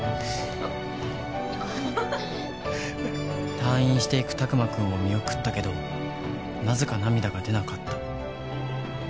退院していく拓磨くんを見送ったけどなぜか涙が出なかった